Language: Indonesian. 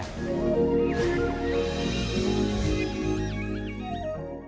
saya akan menerima perubahan